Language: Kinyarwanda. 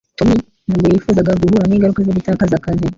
Tommy ntabwo yifuzaga guhura n'ingaruka zo gutakaza akazi